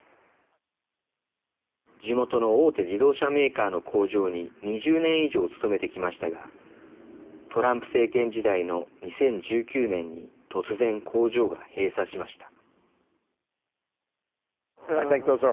地元の大手自動車メーカーの工場に２０年以上、勤めてきましたがトランプ政権時代の２０１９年に突然工場が閉鎖しました。